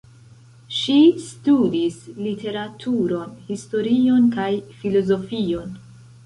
Ŝi studis literaturon, historion kaj filozofion.